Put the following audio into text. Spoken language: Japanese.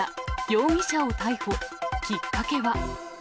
容疑者を逮捕。きっかけは？